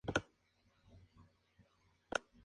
Posee una cascada, un lago y un mirador "Ukimi-dou".